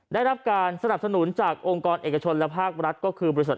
ได้รับการสนับสนุนจากองค์กรเอกชนและภาครัฐก็คือบริษัท